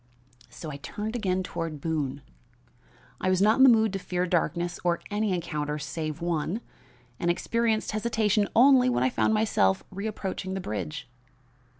"So I turned again toward Boone. I was not in the mood to fear darkness or any encounter save one, and experienced hesitation only when I found myself reapproaching the bridge.